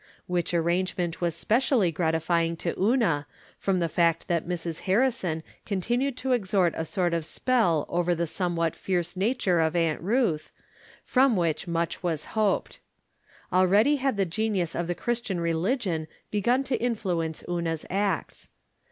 Which arrangement was specially gratify ing to Una, from the fact that Mrs. Harrison continued to exert a sort of spell over the some what fierce nature of Aunt Ruth, from which much was hoped. Already had the genius of the Christian religion begun to influence Una's acts.